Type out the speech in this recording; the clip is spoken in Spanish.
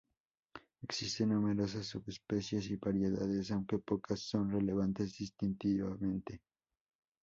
Existen numerosas subespecies y variedades, aunque pocas son relevantes distintivamente.